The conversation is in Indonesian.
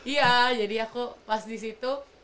iya jadi aku pas disitu